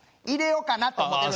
入れようかなって。